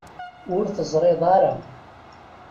Ur teẓriḍ ara.